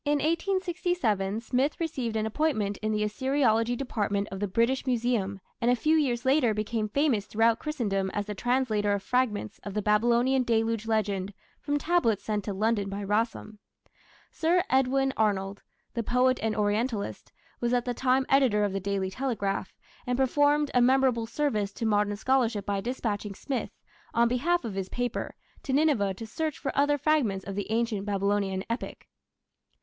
In 1867 Smith received an appointment in the Assyriology Department of the British Museum, and a few years later became famous throughout Christendom as the translator of fragments of the Babylonian Deluge Legend from tablets sent to London by Rassam. Sir Edwin Arnold, the poet and Orientalist, was at the time editor of the Daily Telegraph, and performed a memorable service to modern scholarship by dispatching Smith, on behalf of his paper, to Nineveh to search for other fragments of the Ancient Babylonian epic.